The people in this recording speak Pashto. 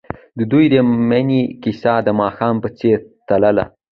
د دوی د مینې کیسه د ماښام په څېر تلله.